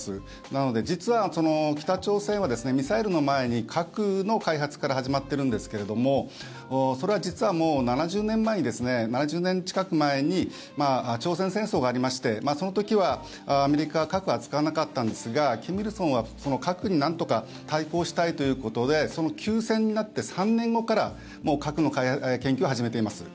なので、実は北朝鮮はミサイルの前に核の開発から始まってるんですけれどもそれは実はもう７０年前に７０年近く前に朝鮮戦争がありましてその時はアメリカは核は使わなかったんですが金日成は、その核になんとか対抗したいということで休戦になって３年後からもう核の研究を始めています。